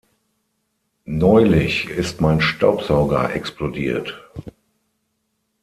Neulich ist mein Staubsauger explodiert.